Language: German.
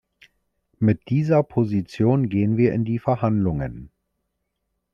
Mit dieser Position gehen wir in die Verhandlungen.